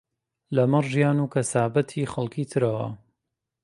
لەمەڕ ژیان و کەسابەتی خەڵکی ترەوە